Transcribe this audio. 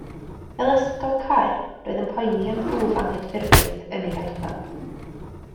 Fel Esgob Caer, roedd yn poeni am dwf Anghydffurfiaeth yn ei ardal.